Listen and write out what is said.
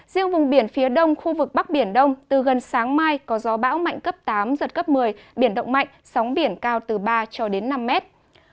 riêng vùng biển phía đông khu vực bắc biển đông từ gần sáng mai có gió bão mạnh cấp tám giật cấp một mươi biển động mạnh sóng biển cao từ ba cho đến năm mét